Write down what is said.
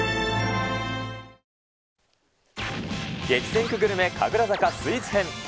激戦区グルメ神楽坂スイーツ編。